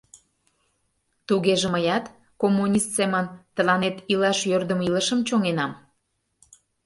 Тугеже мыят, коммунист семын, тыланет илаш йӧрдымӧ илышым чоҥенам?